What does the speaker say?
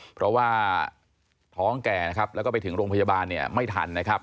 เพราะว่าท้องแก่แล้วก็ไปถึงโรงพยาบาลไม่ทัน